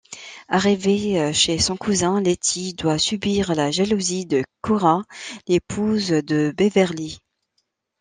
Arrivée chez son cousin, Letty doit subir la jalousie de Cora, l'épouse de Beverly.